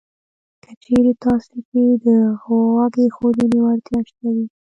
که چېرې تاسې کې د غوږ ایښودنې وړتیا شته وي